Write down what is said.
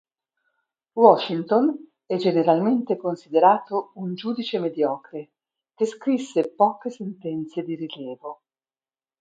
Washington è generalmente considerato un giudice mediocre che scrisse poche sentenze di rilievo.